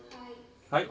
はい。